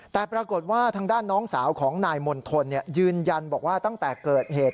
แต่ปรากฏว่าทางด้านน้องสาวของนายมณฑลยืนยันบอกว่าตั้งแต่เกิดเหตุ